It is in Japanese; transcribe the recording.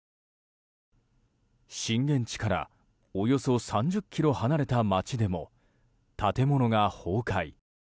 震源地からおよそ３０ｋｍ離れた街でも建物が崩壊。